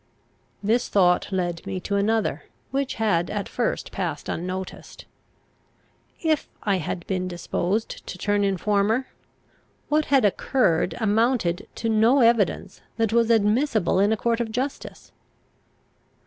This thought led me to another, which had at first passed unnoticed. If I had been disposed to turn informer, what had occurred amounted to no evidence that was admissible in a court of justice.